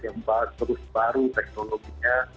yang terus baru teknologinya